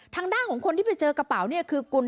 ทางด้านของคนที่ไปเจอกระเป๋าเนี่ยคือกุล